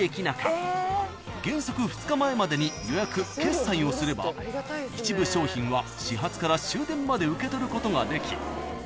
［原則２日前までに予約決済をすれば一部商品は始発から終電まで受け取ることができ］